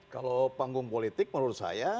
kalau panggung politik menurut saya